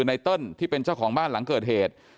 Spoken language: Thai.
ไตเติ้ลที่เป็นเจ้าของบ้านหลังเกิดเหตุ